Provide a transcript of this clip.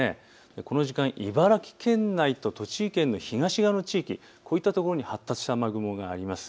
この時間、茨城県内と東地域、こういったところに発達した雨雲があります。